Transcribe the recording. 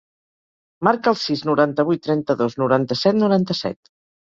Marca el sis, noranta-vuit, trenta-dos, noranta-set, noranta-set.